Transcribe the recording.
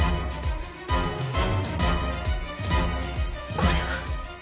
これは。